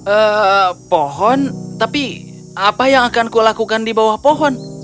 eh pohon tapi apa yang akan kulakukan di bawah pohon